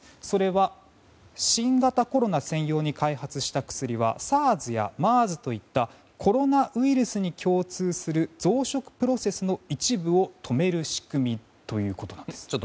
それは、新型コロナ専用に開発した薬はＳＡＲＳやＭＥＲＳといったコロナウイルスに共通する増殖プロセスの一部を止める仕組みということです。